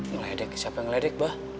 ngeledek siapa yang ngeledek pak